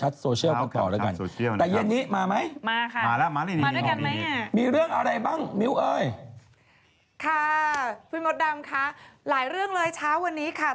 หลายเรื่องเลยเช้าวันนี้ค่ะ